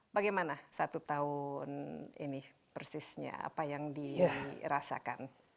bagaimana satu tahun ini persisnya apa yang dirasakan